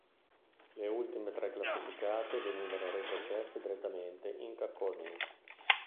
Le ultime tre classificate venivano retrocesse direttamente in Kakkonen.